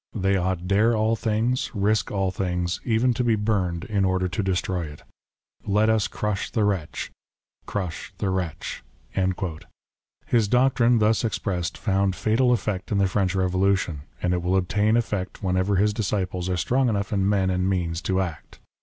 They ought dare all things, risk all things, even to be burned, in order to destroy it. Let us crush the wretch ! Crush the wretch !" His doctrine thus expressed found fatal effect in the French Revolution, and it will obtain effect when ever his disciples are strong enough in men and means to act.